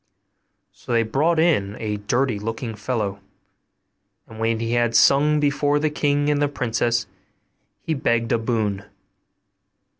So they brought in a dirty looking fellow; and when he had sung before the king and the princess, he begged a boon.